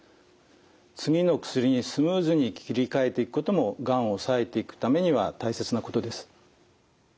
次の薬にスムーズに切り替えていくこともがんを抑えていくためには大切なことです。